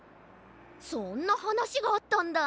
そんなはなしがあったんだ。